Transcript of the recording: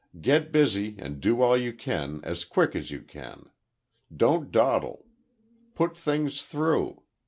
Get busy, and do all you can as quick as you can. Don't dawdle. Put things through.